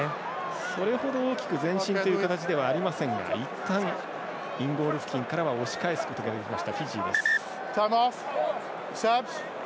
それほど大きく前進という形ではありませんがいったん、インゴール付近から押し返すことができましたフィジーです。